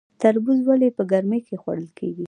تربوز ولې په ګرمۍ کې خوړل کیږي؟